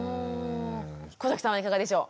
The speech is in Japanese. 小さんはいかがでしょう？